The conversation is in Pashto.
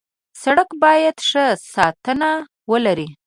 سړک باید ښه ساتنه ولري.